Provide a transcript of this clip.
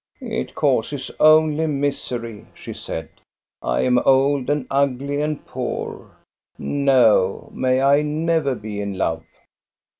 " It causes only misery," she said. " I am old and ugly and poor. No, may I never be in love